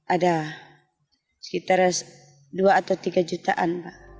ada sekitar dua atau tiga jutaan